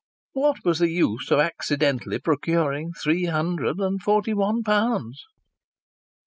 What was the use of accidentally procuring three hundred and forty one pounds?